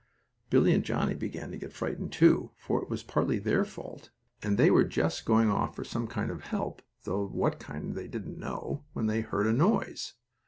Billie and Johnnie began to get frightened, too, for it was partly their fault, and they were just going off for some kind of help, though what kind they didn't know, when they heard a noise.